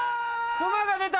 熊が出た！